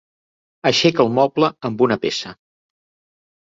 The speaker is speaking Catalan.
Aixeca el moble amb una peça.